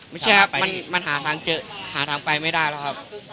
ไม่ใช่ครับมันหาทางเจอหาทางไปไม่ได้แล้วครับ